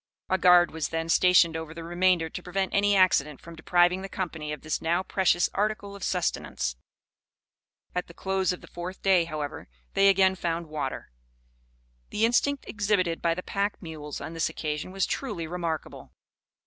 A guard was then stationed over the remainder to prevent any accident from depriving the company of this now precious article of sustenance. At the close of the fourth day, however, they again found water. The instinct exhibited by the pack mules on this occasion was truly remarkable.